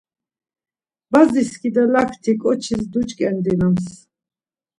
Bazi skidalakti ǩoçis duç̌ǩendinams.